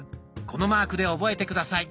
このマークで覚えて下さい。